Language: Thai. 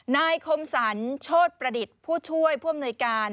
นายคมสรรโชธประดิษฐ์ผู้ช่วยผู้อำนวยการ